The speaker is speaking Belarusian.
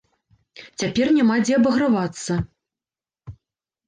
Цяпер няма дзе абагравацца.